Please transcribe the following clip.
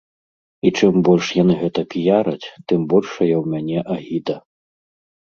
І чым больш яны гэта піяраць, тым большая ў мяне агіда.